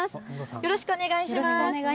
よろしくお願いします。